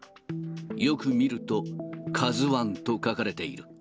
よく見ると、カズワンと書かれている。